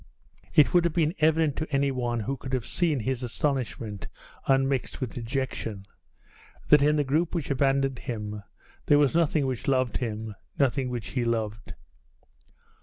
It would have been evident to any one who could have seen his astonishment unmixed with dejection, that in the group which abandoned him there was nothing which loved him, nothing which he loved.